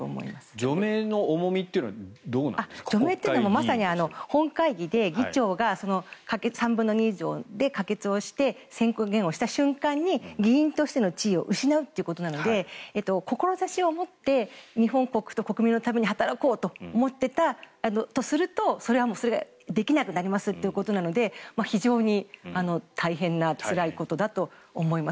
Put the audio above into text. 除名の重みというのは本会議で議長が３分の２以上で可決をして宣言をした瞬間に議員としての地位を失うということなので志を持って日本国と国民のために働こうと思っていたとするとそれができなくなりますということなので非常に大変なつらいことだと思います。